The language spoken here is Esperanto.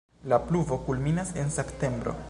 La pluvo kulminas en septembro.